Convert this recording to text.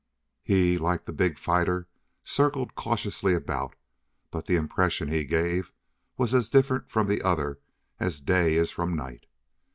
He, like the big fighter, circled cautiously about, but the impression he gave was as different from the other as day is from night.